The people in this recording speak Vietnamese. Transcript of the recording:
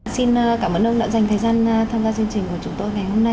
xin cảm ơn ông đã dành thời gian tham gia chương trình của chúng tôi ngày hôm nay